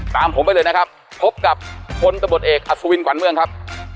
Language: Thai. ตามผมไปเลยนะครับพบกับพลตำรวจเอกอัศวินขวัญเมืองครับ